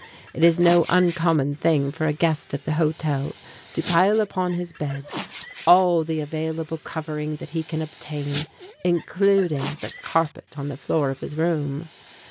It is no uncommon thing for a guest at the hotel to pile upon his bed all the available covering that he can obtain, including the carpet on the floor of his room.